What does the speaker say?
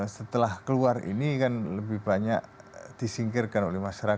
setelah keluar ini kan lebih banyak disingkirkan oleh masyarakat